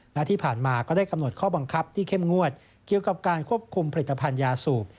และที่ผ่านมาก็ได้กำหนดข้อบังคับที่เข้มงวดเกี่ยวกับการควบคุมผลิตภัณฑ์ยาสูบ